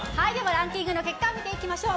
ランキングの結果を見ていきましょう。